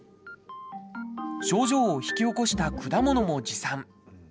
症状を引き起こした果物も持参。